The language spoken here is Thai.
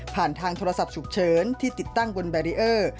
ทางโทรศัพท์ฉุกเฉินที่ติดตั้งบนแบรีเออร์